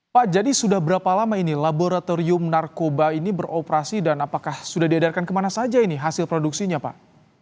pak jadi sudah berapa lama ini laboratorium narkoba ini beroperasi dan apakah sudah diedarkan kemana saja ini hasil produksinya pak